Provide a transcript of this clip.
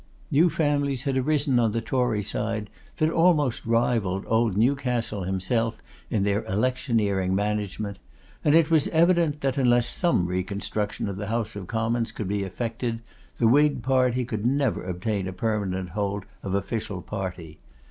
New families had arisen on the Tory side that almost rivalled old Newcastle himself in their electioneering management; and it was evident that, unless some reconstruction of the House of Commons could be effected, the Whig party could never obtain a permanent hold of official power.